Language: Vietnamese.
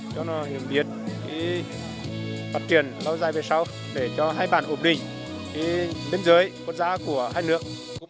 cho nó hiểu biết phát triển lâu dài về sau để cho hai bản ổn định biên giới quốc gia của hai nước